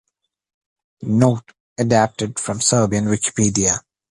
"Note: adapted from Serbian Wikipedia"